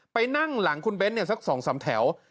ไปนั่งหลังคุณเบ้นท์สักสองสามแถว